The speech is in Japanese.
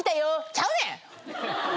ちゃうねん！